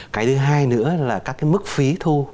cái thứ hai nữa là các mức phí thu